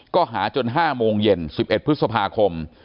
ก็หาจน๕โมงเย็น๑๑พฤษภาคม